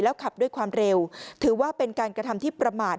ขับด้วยความเร็วถือว่าเป็นการกระทำที่ประมาท